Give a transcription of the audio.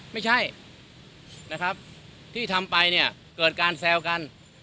ไม่ใช่นะครับที่ทำไปเนี่ยเกิดการแซวกัน